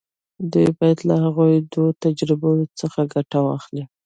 دوی بايد له هغو دوو تجربو څخه ګټه واخلي.